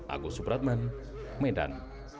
agus supratman medan